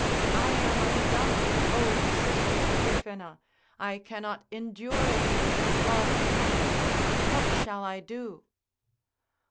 I am undone, O sister Tryphena, I cannot endure these love pangs; what shall I do?